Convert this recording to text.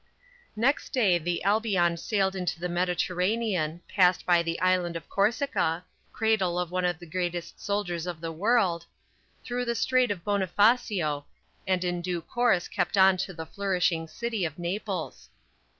_ Next day the Albion sailed into the Mediterranean, passed by the island of Corsica (cradle of one of the greatest soldiers of the world), through the Strait of Bonifacio, and in due course kept on to the flourishing city of Naples.